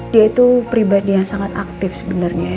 dia itu pribadi yang sangat aktif sebenarnya